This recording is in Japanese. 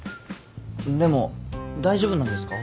でも大丈夫なんですか？